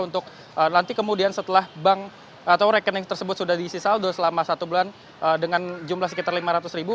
untuk nanti kemudian setelah bank atau rekening tersebut sudah diisi saldo selama satu bulan dengan jumlah sekitar lima ratus ribu